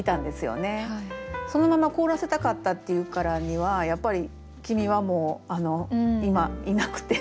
「そのまま凍らせたかった」っていうからにはやっぱり君はもう今いなくて。